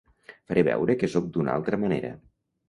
Faré veure que sóc d'una altra manera.